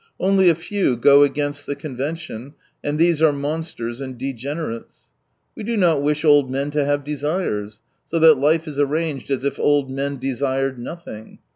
Only a few go against the convention, and these are monsters and degenerates. We do not wish old men to have desires, so that life is arranged as if old men desired nothing.